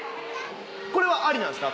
これはありなんですか